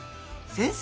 先生？